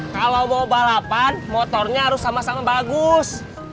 kalo mau balapan motornya harus sama sama bagus